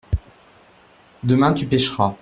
Demain tu pêcheras.